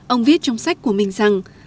ông viết trong sách của mình rằng